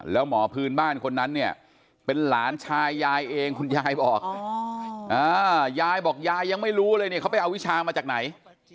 แล้วหมอพื้นบ้านคนนั้นเนี่ยเป็นหลานชายยายเองคุณยายบอกยายบอกยายยังไม่รู้เลยเนี่ยเขาไปเอาวิชามาจากไหน